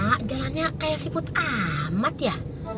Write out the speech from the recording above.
pak jalannya kayak siput amat ya